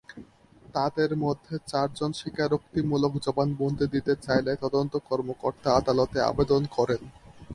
তাঁদের মধ্যে চারজন স্বীকারোক্তিমূলক জবানবন্দি দিতে চাইলে তদন্ত কর্মকর্তা আদালতে আবেদন করেন।